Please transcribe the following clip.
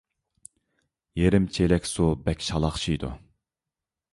يېرىم چېلەك سۇ بەك شالاقشىيدۇ.